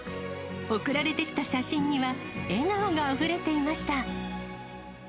送られてきた写真には、笑顔があふれていました。